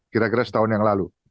kira kira setahun yang lalu